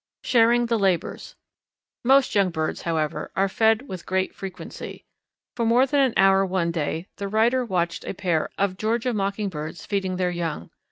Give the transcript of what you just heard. Sharing the Labours. Most young birds, however, are fed with great frequency. For more than an hour one day the writer watched a pair of Georgia Mockingbirds feeding their young.